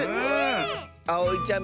あおいちゃん